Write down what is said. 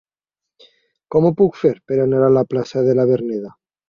Com ho puc fer per anar a la plaça de la Verneda?